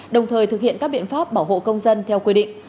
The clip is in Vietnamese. đồng thời thực hiện các biện pháp bảo hộ công dân theo quy định